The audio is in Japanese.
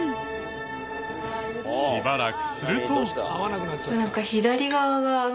しばらくすると。